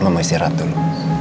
mama istirahat dulu